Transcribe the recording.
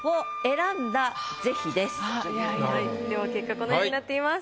では結果このようになっています。